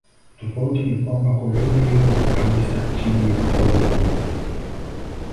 Tofauti ni kwamba koloni liko kabisa chini ya utawala wa nje.